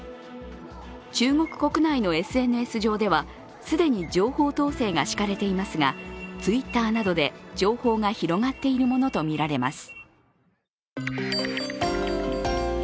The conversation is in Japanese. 中国国内のＳＮＳ上では既に情報統制が敷かれていますが、Ｔｗｉｔｔｅｒなどで情報が広がっているものとみられます。